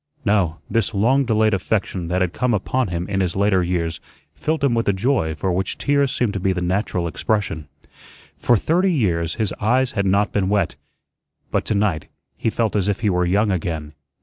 No, this long delayed affection that had come upon him in his later years filled him with a joy for which tears seemed to be the natural expression. For thirty years his eyes had not been wet, but tonight he felt as if he were young again.